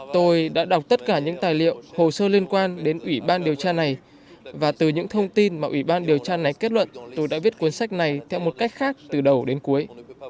tôi đã đọc tất cả những tài liệu hồ sơ liên quan đến ủy ban điều tra này và từ những thông tin mà ủy ban điều tra này kết luận tôi đã viết cuốn sách này theo một cách khác từ đầu đến cuối